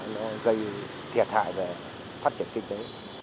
nó gây thiệt hại về phát triển kinh tế